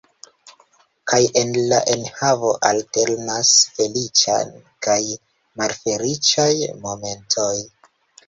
Kaj en la enhavo alternas feliĉaj kaj malfeliĉaj momentoj.